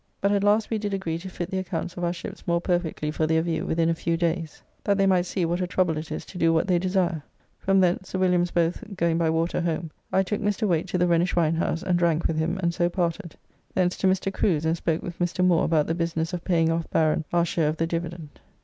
But at last we did agree to fit the accounts of our ships more perfectly for their view within a few days, that they might see what a trouble it is to do what they desire. From thence Sir Williams both going by water home, I took Mr. Wayte to the Rhenish winehouse, and drank with him and so parted. Thence to Mr. Crew's and spoke with Mr. Moore about the business of paying off Baron our share of the dividend.